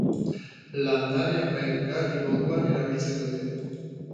Landare apaingarri moduan erabiltzen dute.